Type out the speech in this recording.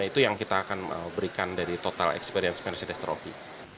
itu yang kita akan berikan dari total experience pencedes tropi